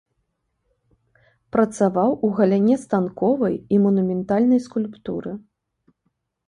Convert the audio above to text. Працаваў у галіне станковай і манументальнай скульптуры.